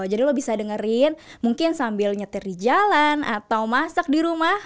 jadi lo bisa dengerin mungkin sambil nyetir di jalan atau masak di rumah